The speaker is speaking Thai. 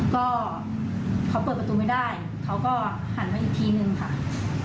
ก็เขาเปิดประตูไม่ได้เขาก็หันมาอีกทีนึงค่ะ